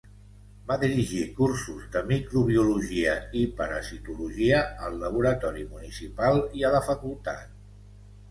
Va dirigir cursos de microbiologia i parasitologia al Laboratori Municipal i a la Facultat.